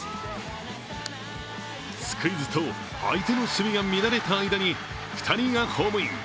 スクイズと相手の守備が乱れた間に２人がホームイン。